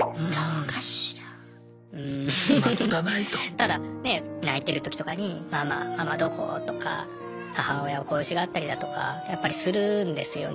ただねえ泣いてるときとかに「ママママどこ」とか母親を恋しがったりだとかやっぱりするんですよね。